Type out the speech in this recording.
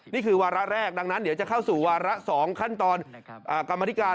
นี่คือวาระแรกดังนั้นเดี๋ยวจะเข้าสู่วาระ๒ขั้นตอนกรรมธิการ